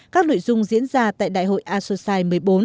các lội dung diễn ra tại đại hội asosi một mươi bốn